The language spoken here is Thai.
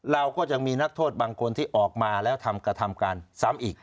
เราก็จะมีนักโทษบางคนที่ออกมาแล้วทำกระทำการซ้ำอีก